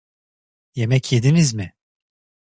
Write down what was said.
Yemek yediniz mi?